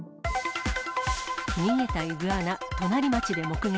逃げたイグアナ、隣町で目撃。